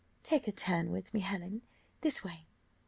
'] Take a turn with me, Helen, this way.